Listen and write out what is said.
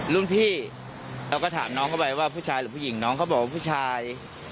รุ่นพี่เราก็ถามน้องเข้าไปว่าผู้ชายหรือผู้หญิงน้องเขาบอกว่าผู้ชาย